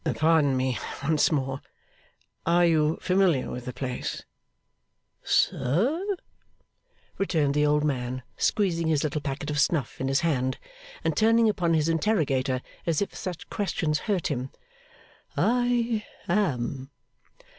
'Pardon me once more. Are you familiar with the place?' 'Sir,' returned the old man, squeezing his little packet of snuff in his hand, and turning upon his interrogator as if such questions hurt him. 'I am.